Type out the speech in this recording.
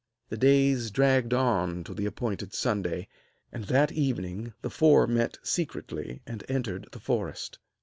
The days dragged on to the appointed Sunday, and that evening the four met secretly, and entered the forest.